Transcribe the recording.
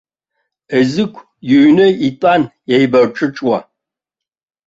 Езыгә иҩны итәан еибарҿыҿуа.